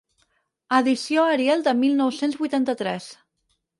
Edició a Ariel de mil nou-cents vuitanta-tres.